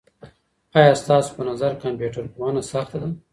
آیا ستاسو په نظر کمپيوټر پوهنه سخته ده؟